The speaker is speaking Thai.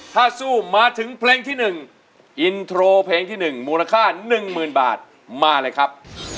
ถ้าสู้มาถึงเพลงที่๑อินโทรเพลงที่๑มูลค่า๑๐๐๐บาทมาเลยครับ